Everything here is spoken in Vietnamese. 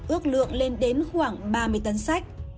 ước lượng lên đến khoảng ba mươi tấn sách